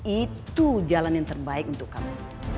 itu jalan yang terbaik untuk kami